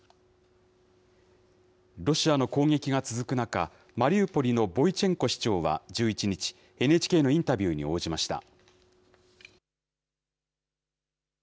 ロシアの攻撃が続く中、マリウポリのボイチェンコ市長は１１日、ＮＨＫのインタビューに応じました。